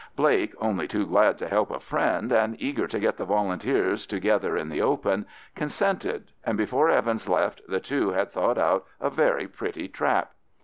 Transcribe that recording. Blake, only too glad to help a friend, and eager to get the Volunteers together in the open, consented, and before Evans left the two had thought out a very pretty trap.